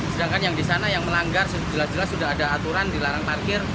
sedangkan yang di sana yang melanggar jelas jelas sudah ada aturan dilarang parkir